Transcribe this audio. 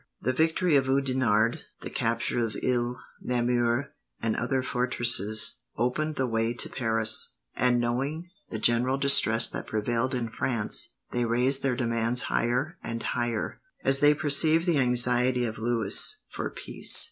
The victory of Oudenarde, the capture of Lille, Namur, and other fortresses, opened the way to Paris, and knowing the general distress that prevailed in France, they raised their demands higher and higher, as they perceived the anxiety of Louis for peace.